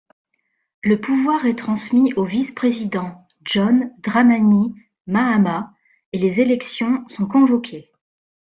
Le pouvoir est transmis au vice-président, John Dramani Mahama, et des élections sont convoquées.